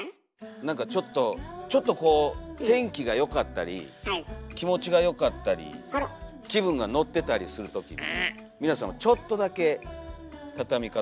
何かちょっとちょっとこう天気が良かったり気持ちがよかったり気分が乗ってたりする時に皆様ちょっとだけたたみ方を。